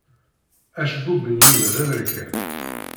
Acebbub n Yuba d aberkan.